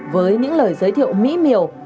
với những lời giới thiệu mỹ miều